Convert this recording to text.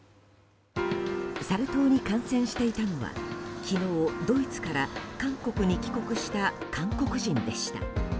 サル痘に感染していたのは昨日、ドイツから韓国に帰国した韓国人でした。